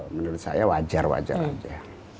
menurut saya wajar wajar saja